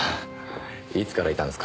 いつからいたんですか？